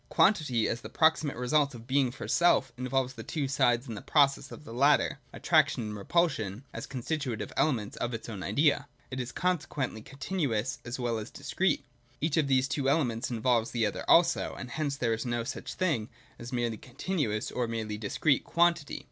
Quantity, as the proximate result of Being for self, in volves the two sides in the process of the latter, attraction and repulsion, as constitutive elements of its own idea. It is consequently Continuous as well as Discrete. Each of these two elements involves the other also, and hence there is no such thing as a merely Continuous or a merely Discrete quantity.